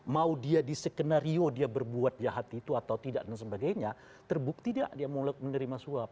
mau dia di skenario dia berbuat jahat itu atau tidak dan sebagainya terbukti dia menerima suap